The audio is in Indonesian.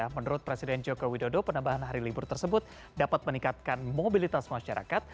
menurut presiden joko widodo penambahan hari libur tersebut dapat meningkatkan mobilitas masyarakat